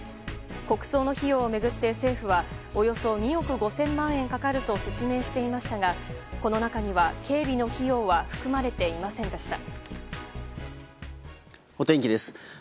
国葬の費用を巡って政府はおよそ２億５０００万円かかると説明していましたが、この中には警備の費用は含まれていませんでした。